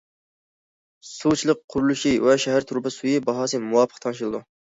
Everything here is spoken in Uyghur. سۇچىلىق قۇرۇلۇشى ۋە شەھەر تۇرۇبا سۈيى باھاسى مۇۋاپىق تەڭشىلىدۇ.